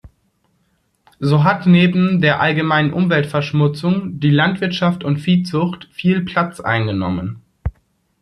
So hat neben der allgemeinen Umweltverschmutzung die Landwirtschaft und Viehzucht viel Platz eingenommen.